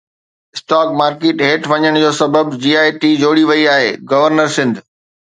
stock market هيٺ وڃڻ جو سبب جي آءِ ٽي جوڙي وئي آهي، گورنر سنڌ